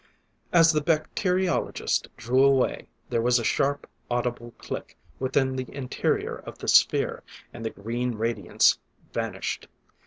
As the bacteriologist drew away, there was a sharp, audible click within the interior of the sphere; and the green radiance vanished.